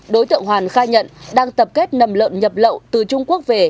đối tượng hoàn khai nhận đang tập kết nầm lợn nhập lậu từ trung quốc về